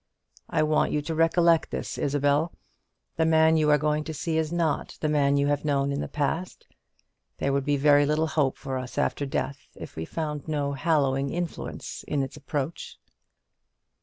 I want you to recollect this, Isabel. The man you are going to see is not the man you have known in the past. There would be very little hope for us after death, if we found no hallowing influence in its approach."